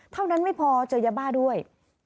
เท่านั้นไม่พอเจอยาบ้าด้วย